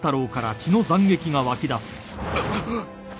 あっ。